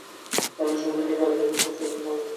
আজকাল সম্পাদকী কালির দাগকে সব চেয়ে ভয় করি।